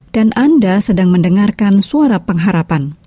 dan anda sedang mendengarkan suara pengharapan